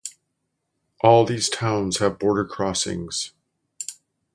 All these towns have border crossings.